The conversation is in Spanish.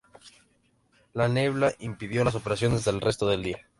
La niebla impidió las operaciones el resto del día.